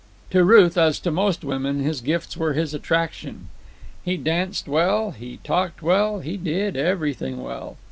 To Ruth, as to most women, his gifts were his attraction. He danced well; he talked well; he did everything well.